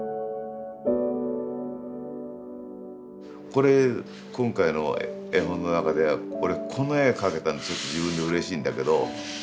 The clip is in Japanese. これ今回の絵本の中では俺この絵描けたのちょっと自分でうれしいんだけど。